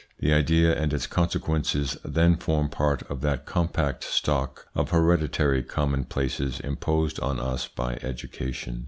The idea and its consequences then form part of that compact stock of hereditary commonplaces imposed on us by education.